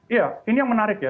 iya ini yang menarik ya